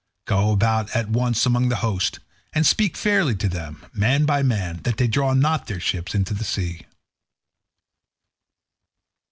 Go about at once among the host, and speak fairly to them, man by man, that they draw not their ships into the sea."